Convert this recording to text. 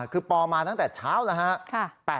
คือปอร์มาตั้งแต่เช้านะฮะ